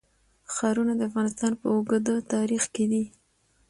ښارونه د افغانستان په اوږده تاریخ کې دي.